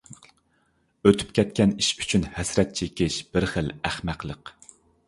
ئۆتۈپ كەتكەن ئىش ئۈچۈن ھەسرەت چېكىش بىر خىل ئەخمەقلىق.